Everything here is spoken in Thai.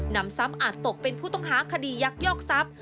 นำซ้ำอาจตกเป็นผู้ต้องหาคดียักยอกทรัพย์